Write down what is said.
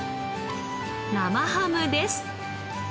生ハムです。